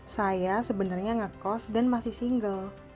saya sebenarnya ngekos dan masih single